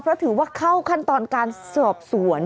เพราะถือว่าเข้าขั้นตอนการสอบสวน